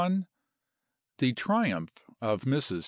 THE TRIUMPH OF MRS.